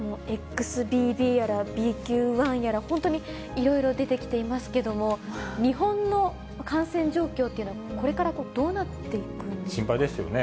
ＸＢＢやら、ＢＱ．１やら、本当にいろいろ出てきていますけども、日本の感染状況というのは、これからどうなっていくんでしょうか。